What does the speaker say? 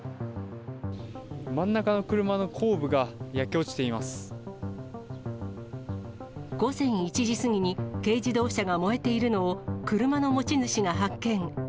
真ん中の車の後部が焼け落ち午前１時過ぎに軽自動車が燃えているのを、車の持ち主が発見。